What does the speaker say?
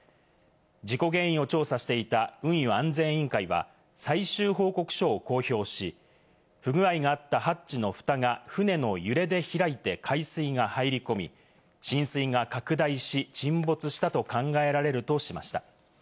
事故原因を調査していた運輸安全委員会は最終報告書を公表し、不具合があったハッチのふたが船の揺れで開いて海水が入り込み、浸水が拡大し沈没したと考えられるとしました。